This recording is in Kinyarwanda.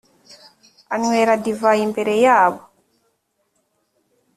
anywera divayi imbere yabo o